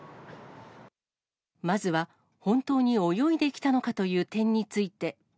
まずは本当に泳いできたのかという点について。